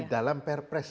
di dalam perpres